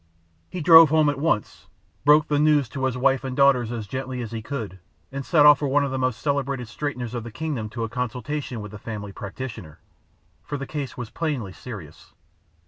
He drove home at once, broke the news to his wife and daughters as gently as he could, and sent off for one of the most celebrated straighteners of the kingdom to a consultation with the family practitioner, for the case was plainly serious.